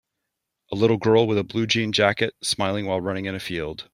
A little girl with a blue jean jacket smiling while running in a field.